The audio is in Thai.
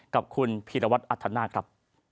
กับคุณพีรวัตรอัธนาคครับ